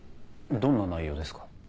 どんな内容ですか？